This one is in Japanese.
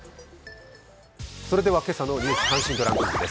それでは、今朝の「ニュース関心度ランキング」です。